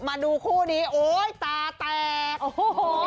มาดูคู่นี้โอ๊ยตาแตก